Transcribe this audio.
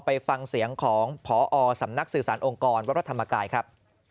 ไปฟังเสียงของพอสำนักสื่อสารองค์กรวัดพระธรรมกายครับ